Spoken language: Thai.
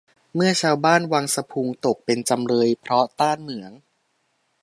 เมื่อชาวบ้านวังสะพุงตกเป็นจำเลยเพราะต้านเหมือง